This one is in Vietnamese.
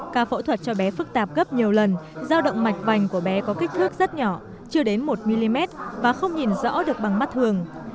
ca phẫu thuật cho bé phức tạp gấp nhiều lần giao động mạch vành của bé có kích thước rất nhỏ chưa đến một mm và không nhìn rõ được bằng mắt thường